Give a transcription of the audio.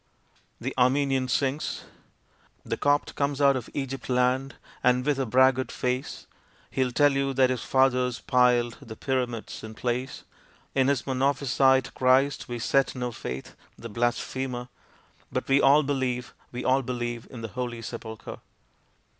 The Armenian sings The Copt comes out of Egypt land and with a braggart face He'll tell you that his fathers piled the Pyramids in place. In his Monophysite Christ we set no faith, the blasphemer! But we all believe, we all believe, in the Holy Sepulchre!